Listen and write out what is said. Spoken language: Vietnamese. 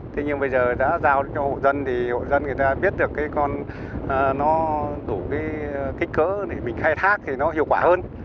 thế nhưng bây giờ đã giao cho hộ dân thì hộ dân người ta biết được cái con nó đủ cái kích cỡ để mình khai thác thì nó hiệu quả hơn